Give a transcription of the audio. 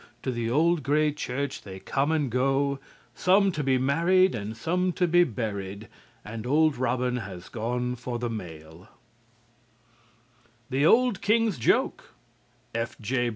To the old gray church they come and go, Some to be married and some to be buried, And old Robin has gone for the mail_." "THE OLD KING'S JOKE" F.J.